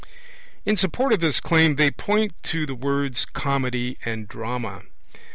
In support of this claim they point to the words 'comedy' and 'drama'.